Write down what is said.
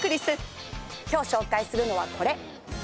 今日紹介するのはこれ。